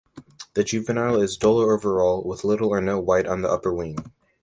The juvenile is duller overall, with little or no white on the upperwing.